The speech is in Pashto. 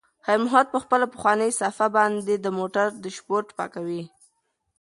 خیر محمد په خپله پخوانۍ صافه باندې د موټر ډشبورډ پاکوي.